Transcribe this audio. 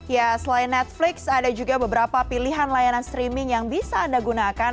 ya selain netflix ada juga beberapa pilihan layanan streaming yang bisa anda gunakan